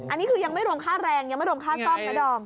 อันนี้คือยังไม่รวมค่าแรงยังไม่รวมค่าซ่อมนะดอม